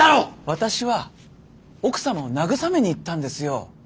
私は奥様を慰めに行ったんですよ。